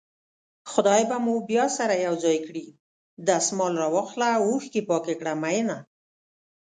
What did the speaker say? خدای به مو بيا سره يو ځای کړي دسمال راواخله اوښکې پاکې کړه مينه